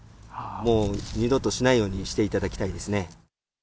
もう二度としないようにしていただきたいですね。